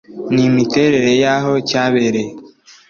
n’imiterere y’aho cyabereye